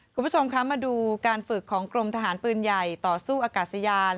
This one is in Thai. คุณผู้ชมคะมาดูการฝึกของกรมทหารปืนใหญ่ต่อสู้อากาศยาน